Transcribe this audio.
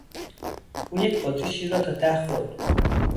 او یک بطری شیر را تا ته خورد!